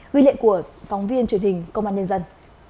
quý liệu của phóng viên truyền hình công an nhân dân